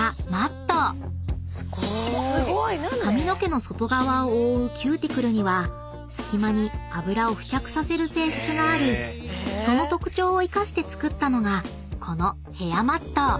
［髪の毛の外側を覆うキューティクルには隙間に油を付着させる性質がありその特徴を生かして作ったのがこの］